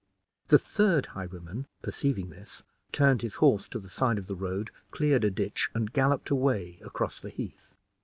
The third highwayman, perceiving this, turned his horse to the side of the road, cleared a ditch, and galloped away across the heath.